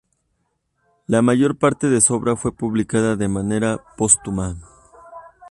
La mayor parte de su obra fue publicada de manera póstuma.